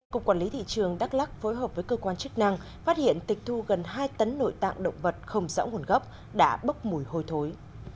cục quản lý thị trường đắk lắc phối hợp với cơ quan chức năng phát hiện tịch thu gần hai tấn nội tạng động vật không rõ nguồn gốc đã bốc mùi hôi thối